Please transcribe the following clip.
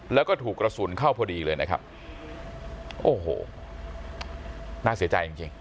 แล้วก็ถูกกระสุนเข้าพอดีเลยนะครับโอ้โหน่าเสียใจจริงจริง